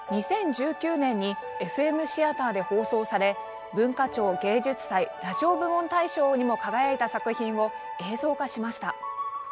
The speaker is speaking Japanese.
２０１９年に「ＦＭシアター」で放送され文化庁芸術祭ラジオ部門大賞にも輝いた作品を映像化しました。